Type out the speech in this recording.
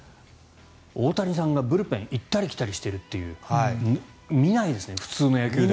大谷さんがブルペン行ったり来たりしているというの見ないですね、普通の野球では。